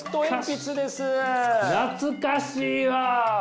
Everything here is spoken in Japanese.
懐かしいわ！